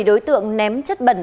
bảy đối tượng ném chất bệnh